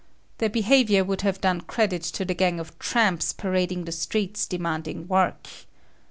Their behavior would have done credit to the gang of tramps parading the streets demanding work.